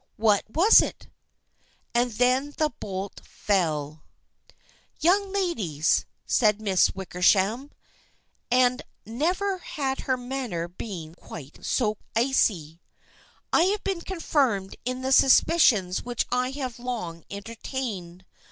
What was it ? And then the bolt fell. " Young ladies," said Miss Wickersham, and never had her manner been quite so icy, " I have been confirmed in the suspicions which I have long entertained.